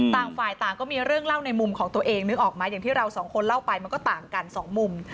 ต่างฝ่ายต่างก็มีเรื่องเล่าในมุมของตัวเองนึกออกไหมอย่างที่เราสองคนเล่าไปมันก็ต่างกันสองมุม